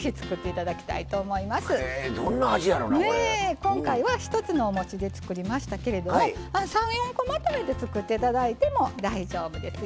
今回は一つのおもちで作りましたけれども３４個まとめて作って頂いても大丈夫ですよ。